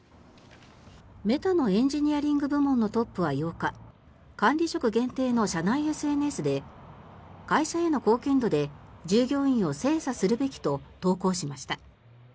メタのエンジニアリング部門のトップは８日管理職限定の社内ＳＮＳで会社への貢献度で従業員を精査するべきと投稿しました。